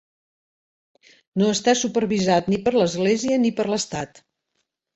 No està supervisat ni per l'Església ni per l'Estat.